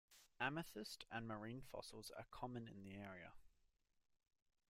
Amethyst and marine fossils are common in the area.